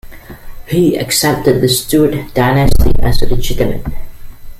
He accepted the Stuart dynasty as legitimate.